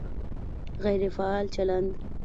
غیر فعال چلند